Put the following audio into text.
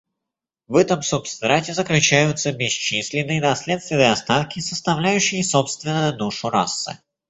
В этом субстрате заключаются бесчисленные наследственные остатки, составляющие собственно душу расы.